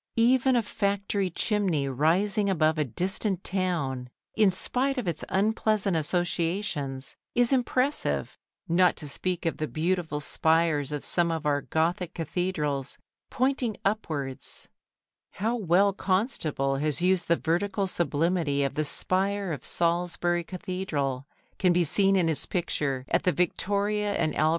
Even a factory chimney rising above a distant town, in spite of its unpleasant associations, is impressive, not to speak of the beautiful spires of some of our Gothic cathedrals, pointing upwards. How well Constable has used the vertical sublimity of the spire of Salisbury Cathedral can be seen in his picture, at the Victoria and Albert Museum, where he has contrasted it with the gay tracery of an arch of elm trees.